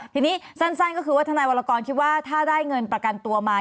ทีนี้สั้นก็คือว่าทนายวรกรคิดว่าถ้าได้เงินประกันตัวมา